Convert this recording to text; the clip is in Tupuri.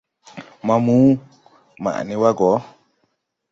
Maamu, maʼ ne wa go!